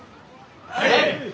はい！